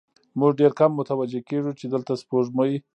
موږ ډېر کم متوجه کېږو، چې دلته سپوږمۍ